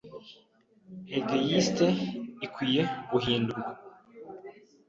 igeyitse ikwiye guhindurwe